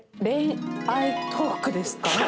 恋愛トークですか？